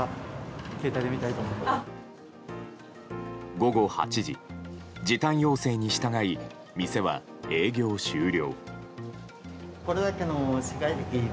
午後８時、時短要請に従い店は営業終了。